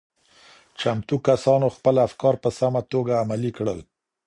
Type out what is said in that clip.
چمتو کسانو خپل افکار په سمه توګه عملي کړل.